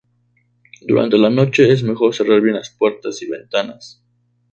Durante la noche es mejor cerrar bien las puertas y ventanas.